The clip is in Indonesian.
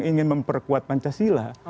ingin memperkuat pancasila